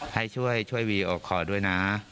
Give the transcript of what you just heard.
ให้ช่วยวีดีโอคอร์ด้วยนะ